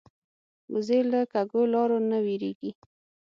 وزې له کږو لارو نه وېرېږي